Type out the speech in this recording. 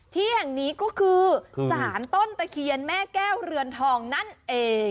ที่แห่งนี้ก็คือสารต้นตะเคียนแม่แก้วเรือนทองนั่นเอง